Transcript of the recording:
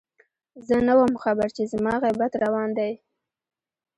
زه نه وم خبر چې زما غيبت روان دی